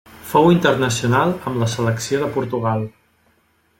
Fou internacional amb la selecció de Portugal.